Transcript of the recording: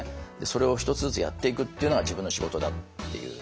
それを１つずつやっていくっていうのが自分の仕事だっていう。